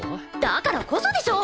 だからこそでしょ！